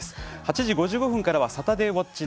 ８時５５分からは「サタデーウォッチ９」。